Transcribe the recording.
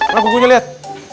nah kukunya lihat